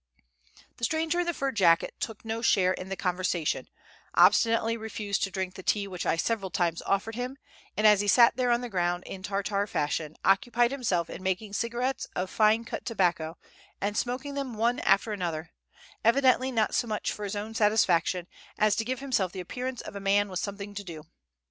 The stranger in the fur jacket took no share in the conversation, obstinately refused to drink the tea which I several times offered him, and as he sat there on the ground in Tartar fashion, occupied himself in making cigarettes of fine cut tobacco, and smoking them one after another, evidently not so much for his own satisfaction as to give himself the appearance of a man with something to do.